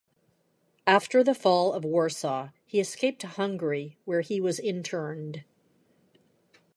After the fall of Warsaw he escaped to Hungary, where he was interned.